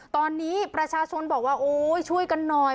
ตอนนี้ประชาชนบอกว่าโอ๊ยช่วยกันหน่อย